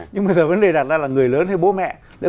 nhưng mà vấn đề đặt ra là người lớn hay bố mẹ